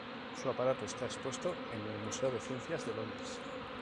Su aparato está expuesto en el Museo de Ciencias de Londres.